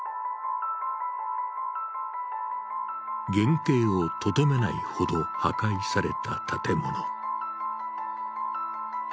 原形をとどめないほど破壊された建物。